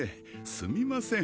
すみません